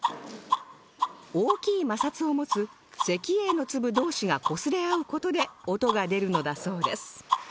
大きい摩擦を持つ石英の粒同士がこすれ合う事で音が出るのだそうです